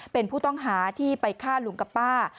เป็นผู้ต้องหาที่ไปฆ่าลุงกับป้า